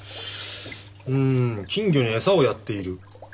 うん金魚に餌をやっている。